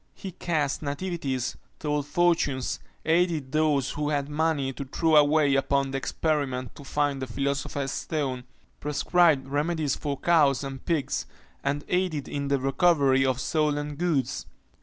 He cast nativities told fortunes aided those who had money to throw away upon the experiment, to find the philosopher's stone prescribed remedies for cows and pigs, and aided in the recovery of stolen goods.